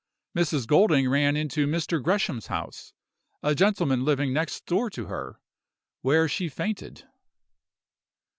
Mrs. Golding ran into Mr. Gresham's house, a gentleman living next door to her, where she fainted.